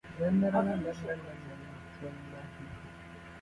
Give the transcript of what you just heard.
وا دیارە نوێژ کردن لێرە ئازاد نییە